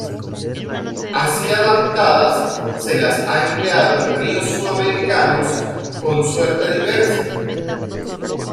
Así adaptadas, se las ha empleado en ríos sudamericanos, con suerte diversa.